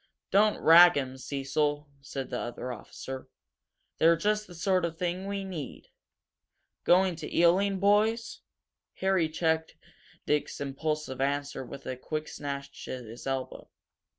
"Don't rag them, Cecil," said the other officer. "They're just the sort we need. Going to Ealing, boys?" Harry checked Dick's impulsive answer with a quick snatch at his elbow.